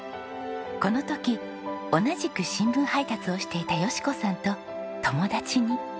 この時同じく新聞配達をしていた佳子さんと友達に。